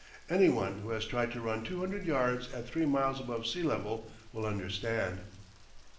Any one who has tried to run two hundred yards at three miles above sea level will understand.